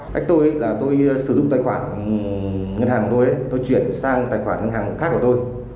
khách tôi là tôi sử dụng tài khoản ngân hàng của tôi tôi chuyển sang tài khoản ngân hàng khác của tôi